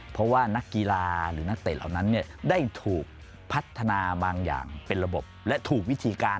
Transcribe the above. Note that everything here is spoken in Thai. เพราะว่านักกีฬาหรือนักเตะเหล่านั้นได้ถูกพัฒนาบางอย่างเป็นระบบและถูกวิธีการ